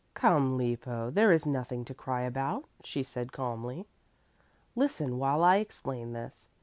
"Come, Lippo, there is nothing to cry about," she said calmly. "Listen while I explain this.